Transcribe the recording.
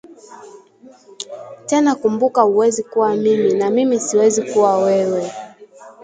Tena kumbuka huwezi kuwa mimi na mimi siwezi kuwa wewe